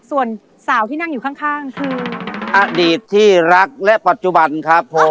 ส่วนสาวที่นั่งอยู่ข้างคืออดีตที่รักและปัจจุบันครับผม